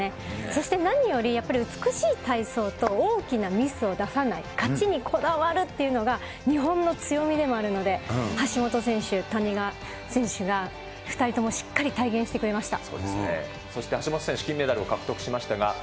そして何より、やっぱり美しい体操と大きなミスを出さない、勝ちにこだわるっていうのが、日本の強みでもあるので、橋本選手、谷川選手が、２人ともしっかり体現してくれました。